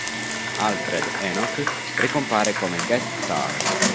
Alfred Enoch ricompare come guest star.